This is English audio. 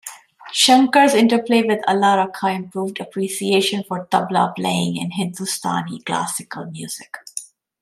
Shankar's interplay with Alla Rakha improved appreciation for "tabla" playing in Hindustani classical music.